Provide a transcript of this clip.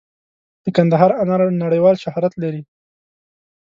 د کندهار انار نړیوال شهرت لري.